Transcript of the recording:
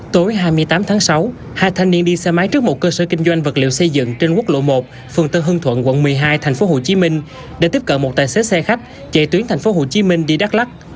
tối hai mươi tám tháng sáu hai thanh niên đi xe máy trước một cơ sở kinh doanh vật liệu xây dựng trên quốc lộ một phường tân hương thuận quận một mươi hai tp hcm để tiếp cận một tài xế xe khách chạy tuyến tp hcm đi đắk lắc